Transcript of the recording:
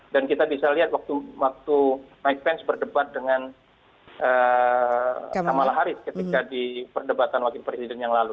dan kita bisa lihat waktu mike pence berdebat dengan kamala harris ketika di perdebatan wakil presiden yang lalu